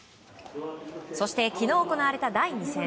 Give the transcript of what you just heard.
そして昨日行われた第２戦。